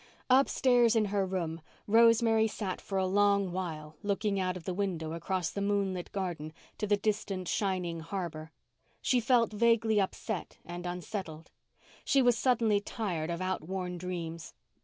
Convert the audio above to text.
Upstairs, in her room, Rosemary sat for a long while looking out of the window across the moonlit garden to the distant, shining harbour. She felt vaguely upset and unsettled. She was suddenly tired of outworn dreams.